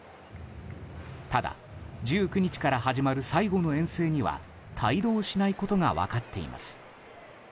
ただ、１９日から始まる最後の遠征には帯同しないことが分かっています。